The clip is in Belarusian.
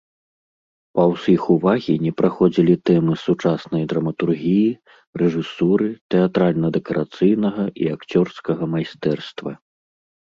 Паўз іх увагі не праходзілі тэмы сучаснай драматургіі, рэжысуры, тэатральна-дэкарацыйнага і акцёрскага майстэрства.